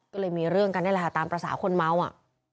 ก็เลยมีเรื่องกันนี่แหละค่ะตามภาษาคนเมาอ่ะ